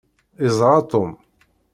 Iẓra Tom.